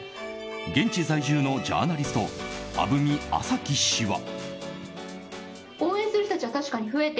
現地在住のジャーナリスト鐙麻樹氏は。